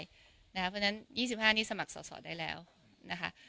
ไม่ถึงได้นะครับเพราะฉะนั้น๒๕นี้สมัครสอบได้แล้วนะครับ